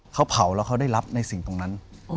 เขาเผาแล้วเขาได้รับในสิ่งตรงนั้น